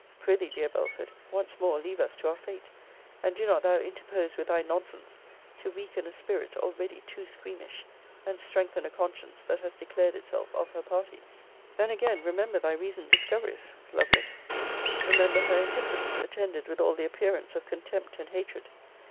Pr'ythee, dear Belford, once more, leave us to our fate; and do not thou interpose with thy nonsense, to weaken a spirit already too squeamish, and strengthen a conscience that has declared itself of her party. Then again, remember thy recent discoveries, Lovelace! Remember her indifference, attended with all the appearance of contempt and hatred.